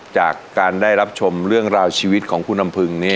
จากการได้รับชมเรื่องราวชีวิตของคุณลำพึง